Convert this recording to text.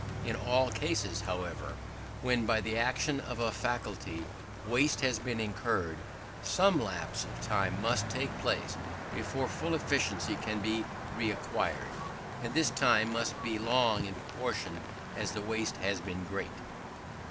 In all cases, however, when, by the action of a faculty, waste has been incurred, some lapse of time must take place before full efficiency can be reacquired; and this time must be long in proportion as the waste has been great.